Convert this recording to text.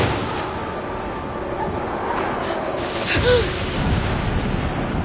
くっ！